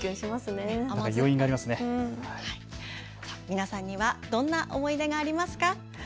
皆さんにはどんな思い出がありますか。